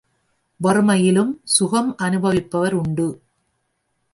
வறுமையிலும் சுகம் அனுபவிப்பவர் உண்டு.